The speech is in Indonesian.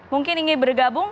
mungkin ingin bergabung